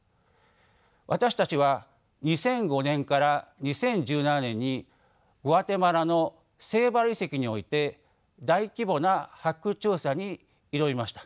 私たちは２００５年から２０１７年にグアテマラのセイバル遺跡において大規模な発掘調査に挑みました。